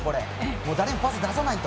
誰もパス出さないと。